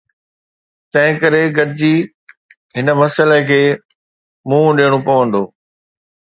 تنهنڪري سڀني کي گڏجي هن مسئلي کي منهن ڏيڻو پوندو.